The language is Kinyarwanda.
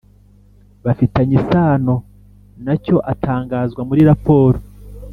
Bafitanye isano na cyo atangazwa muri raporo